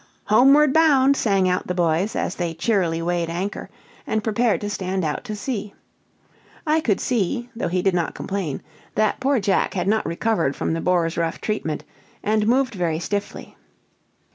"Homeward bound," sang out the boys, as they cheerily weighed anchor, and prepared to stand out to sea. I could see, though he did not complain, that poor Jack had not recovered from the boar's rough treatment, and moved very stiffly.